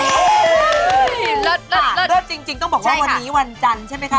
นี่เลิศจริงต้องบอกว่าวันนี้วันจันทร์ใช่ไหมคะ